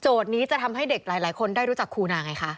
นี้จะทำให้เด็กหลายคนได้รู้จักครูนาไงคะ